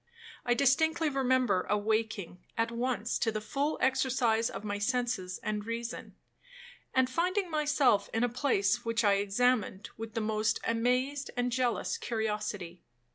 I distinctly remember awaking at once to the full exercise of my senses and reason, and finding myself in a place which I examined with the most amazed and jealous curiosity.